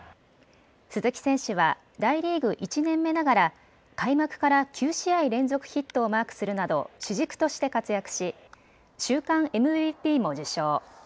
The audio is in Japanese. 鈴木選手は大リーグ１年目ながら開幕から９試合連続ヒットをマークするなど主軸として活躍し、週間ＭＶＰも受賞。